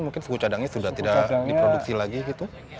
mungkin suku cadangnya sudah tidak diproduksi lagi gitu